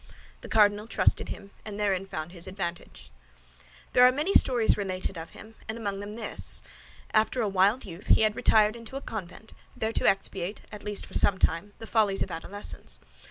The cardinal trusted him, and therein found his advantage. There are many stories related of him, and among them this. After a wild youth, he had retired into a convent, there to expiate, at least for some time, the follies of adolescence.